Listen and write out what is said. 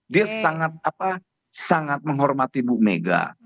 dia sangat menghormati bu mega